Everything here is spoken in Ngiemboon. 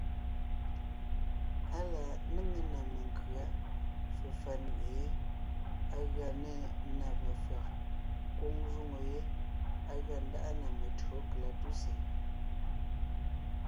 Á la néŋe ná menkʉ̌a, fefà nʉʼʉ yé, á gʉa nê na mefÿàg, kwóŋ jwóŋo yé á gʉa ńdáʼa na metÿǒ kalatúsè.